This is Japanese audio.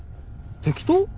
適当？